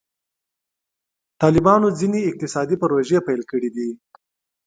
طالبانو ځینې اقتصادي پروژې پیل کړي دي.